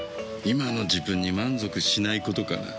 今の自分に満足しないことかな。